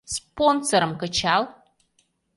Спонсорым кычал.